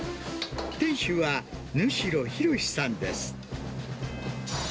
店主は、主代広史さんです。